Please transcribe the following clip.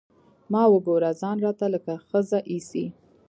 ما وګوره ځان راته لکه ښځه ايسي.